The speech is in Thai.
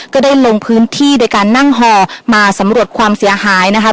ก็ได้ลงพื้นที่โดยการนั่งห่อมาสำรวจความเสียหายนะคะ